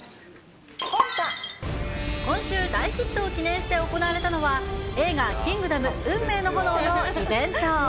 今週、大ヒットを記念して行われたのは、映画、キングダム運命の炎のイベント。